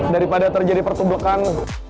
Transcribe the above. daripada terjadi pertubukan